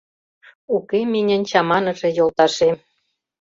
Уке миньын чаманыше йолташем.